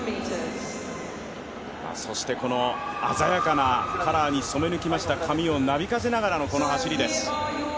そして鮮やかなカラーに染め抜きました髪をなびかせながらのこの走りです。